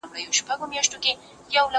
تاسو چي ول دا کار به بالا سم سي